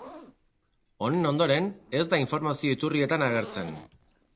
Honen ondoren, ez da informazio iturrietan agertzen.